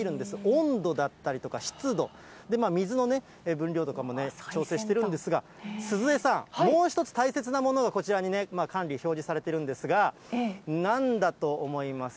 温度だったりとか、湿度、水の分量とかも調整しているんですが、鈴江さん、もう一つ大切なものがこちらに管理、表示されているんですが、なんだと思います？